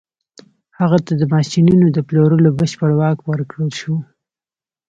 هغه ته د ماشينونو د پلورلو بشپړ واک ورکړل شو.